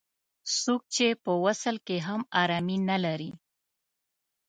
څوک چې په وصل کې هم ارامي نه لري.